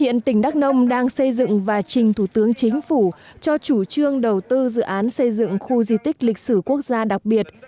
hiện tỉnh đắk nông đang xây dựng và trình thủ tướng chính phủ cho chủ trương đầu tư dự án xây dựng khu di tích lịch sử quốc gia đặc biệt